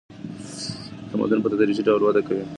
تمدن په تدریجي ډول وده کوي.